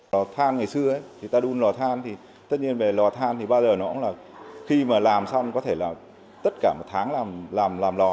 lò than ngày xưa ấy thì ta đun lò than thì tất nhiên về lò than thì bao giờ nó cũng là khi mà làm xong có thể là tất cả một tháng làm lò